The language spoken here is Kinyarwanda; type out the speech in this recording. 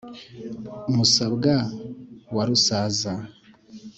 Musabwa wa Rusaza